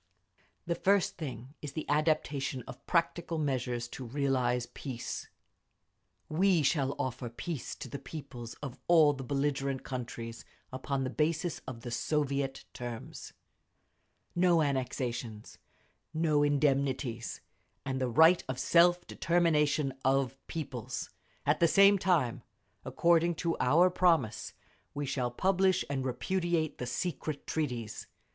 "The first thing is the adoption of practical measures to realise peace…. We shall offer peace to the peoples of all the belligerent countries upon the basis of the Soviet terms—no annexations, no indemnities, and the right of self determination of peoples. At the same time, according to our promise, we shall publish and repudiate the secret treaties….